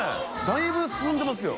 だいぶ進んでますよ。